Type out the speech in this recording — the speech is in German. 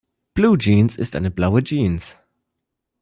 Bluejeans ist eine blaue Jeans.